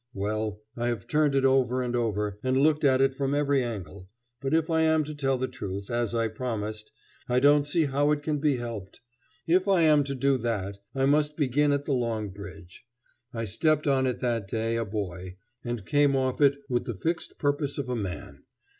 Well, I have turned it over and over, and looked at it from every angle, but if I am to tell the truth, as I promised, I don't see how it can be helped. If I am to do that, I must begin at the Long Bridge. I stepped on it that day a boy, and came off it with the fixed purpose of a man.